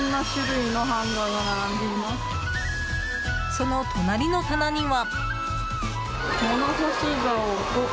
その隣の棚には。